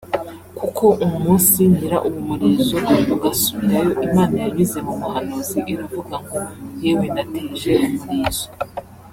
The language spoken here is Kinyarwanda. kuko umunsi nkira uwo murizo ugasubirayo Imana yanyuze mu muhanuzi iravuga ngo ‘ Yewe nateje umurizo